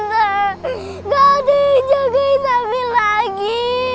enggak ada yang jagain abi lagi